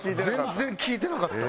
全然聞いてなかった。